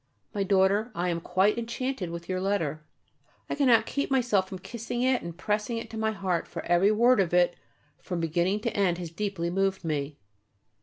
My daughter, I am quite enchanted with your letter.[A] I cannot keep myself from kissing it and pressing it to my heart, for every word of it from beginning to end has deeply moved me.